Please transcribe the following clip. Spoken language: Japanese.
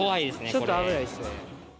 ちょっと危ないですね。